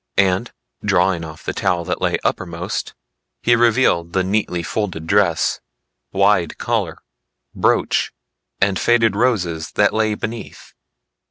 And drawing off the towel that lay uppermost, he revealed the neatly folded dress, wide collar, brooch and faded roses that lay beneath.